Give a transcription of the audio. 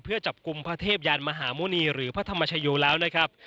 เพื่อจับกลุ่มพระเทพยานมหาหมุณีหรือพระธรรมชโยแล้วนะครับ